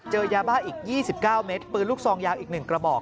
เจอยาบ้าอีก๒๙เมตรปืนลูกซองยาวอีก๑กระบอก